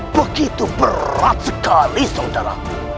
begitu berat sekali saudara